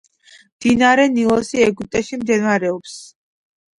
მდინარე ნილოსი ეგვიპტრში მდებარეობს